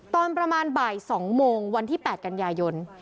ตอนประมาณบ่าย๒โมงวันที่๘กันยายน